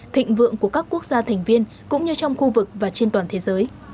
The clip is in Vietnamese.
thịnh vượng của các quốc gia thành viên cũng như trong khu vực và trên toàn thế giới